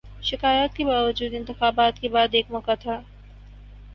شکایات کے باوجود، انتخابات کے بعد ایک موقع تھا۔